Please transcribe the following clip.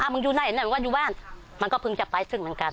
อ้าวมึงอยู่ไหนนั่นมึงว่าอยู่บ้านมันก็พึ่งจับไปซึ่งเหมือนกัน